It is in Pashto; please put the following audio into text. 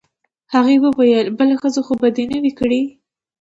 هغې وویل: بله ښځه خو به دي نه وي کړې؟